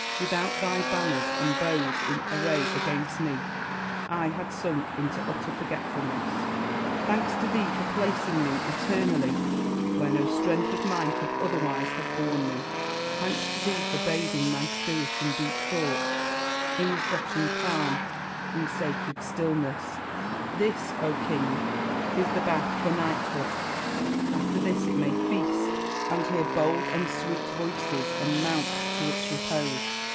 Without thy banners and bows in array against me, I had sunk into utter forgetfulness. Thanks to thee for placing me, eternally, where no strength of mine could otherwise have borne me ! Thanks to thee for bathing my spirit in deep thoughts, in refreshing calm, in sacred still ness ! This, King ! is the bath for knighthood : after this it may feast, and hear bold and sweet voices, and mount to its repose.